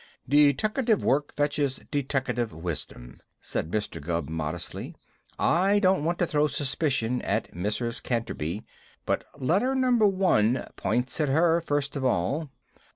"Deteckative work fetches deteckative wisdom," said Mr. Gubb modestly. "I don't want to throw suspicion at Mrs. Canterby, but Letter Number One points at her first of all."